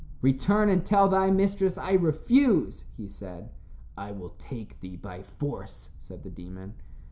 "Return and tell thy mistress I refuse," he said. "I will take thee by force," said the demon.